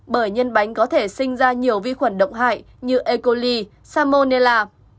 bởi nhân bánh có thể sinh ra nhiều vi khuẩn động hại như e coli salmonella